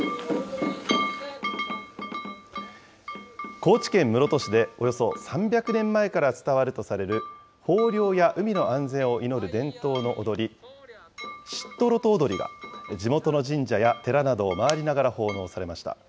高知県室戸市でおよそ３００年前から伝わるとされる豊漁や海の安全を祈る伝統の踊り、シットロト踊りが地元の神社や寺などを回りながら奉納されました。